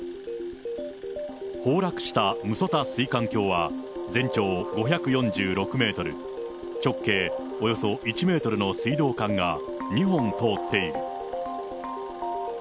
崩落した六十谷水管橋は、全長５４６メートル、直径およそ１メートルの水道管が２本通っている。